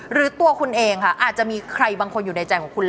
หรือตัวคุณเองค่ะอาจจะมีใครบางคนอยู่ในใจของคุณ